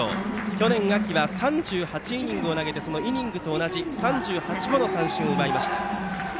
去年秋は３８イニングを投げイニングと同じ３８個の三振を奪いました。